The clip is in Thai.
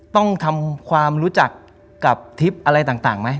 ต้องทำความรู้จักกับทริปอะไรต่างไหม